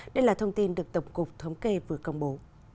đây là thông tin được tổng cục thống kê vừa công bố